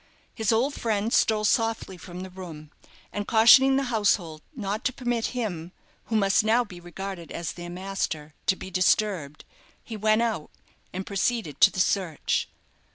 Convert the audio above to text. His old friend stole softly from the room, and cautioning the household not to permit him who must now be regarded as their master to be disturbed, he went out, and proceeded to the search.